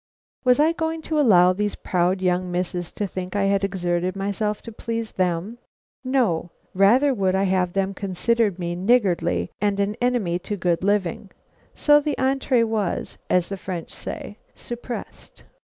Was I going to allow these proud young misses to think I had exerted myself to please them? No; rather would I have them consider me niggardly and an enemy to good living; so the entrée was, as the French say, suppressed.